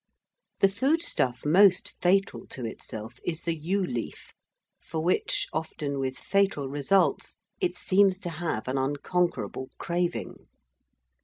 The foodstuff most fatal to itself is the yew leaf, for which, often with fatal results, it seems to have an unconquerable craving.